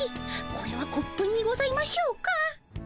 これはコップにございましょうか。